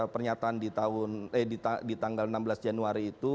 pernyataan di tanggal enam belas januari itu